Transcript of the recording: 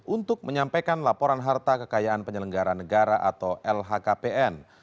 untuk menyampaikan laporan harta kekayaan penyelenggara negara atau lhkpn